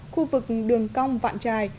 khu vực đường cong vạn trài